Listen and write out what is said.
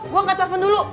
gue angkat telepon dulu